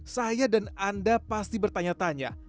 saya dan anda pasti bertanya tanya